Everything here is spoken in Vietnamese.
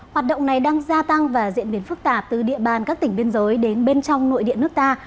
hoạt động này đang gia tăng và diễn biến phức tạp từ địa bàn các tỉnh biên giới đến bên trong nội địa nước ta